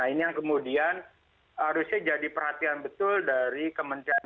nah ini yang kemudian harusnya jadi perhatian betul dari kementerian